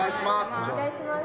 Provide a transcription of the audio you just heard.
お願いします。